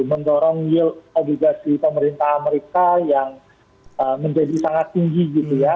mendorong yield obligasi pemerintah amerika yang menjadi sangat tinggi gitu ya